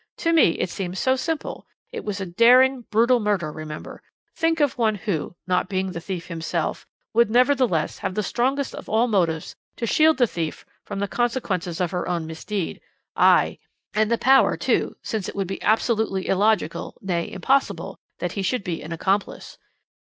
To me it seems so simple. It was a daring, brutal murder, remember. Think of one who, not being the thief himself, would, nevertheless, have the strongest of all motives to shield the thief from the consequences of her own misdeed: aye! and the power too since it would be absolutely illogical, nay, impossible, that he should be an accomplice."